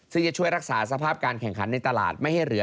ซึ่งจะช่วยรักษาสภาพการแข่งขันในตลาด